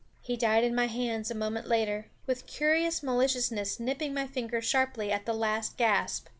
He died in my hands a moment later, with curious maliciousness nipping my finger sharply at the last gasp.